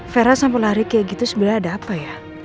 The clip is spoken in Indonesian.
vera sampai lari kayak gitu sebenarnya ada apa ya